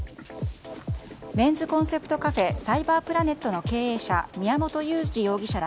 メンズコンセプトカフェ電脳プラネットの経営者・宮本優二容疑者ら